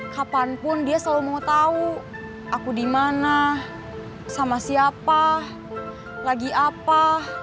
kapanpun dia selalu mau tau aku dimana sama siapa lagi apa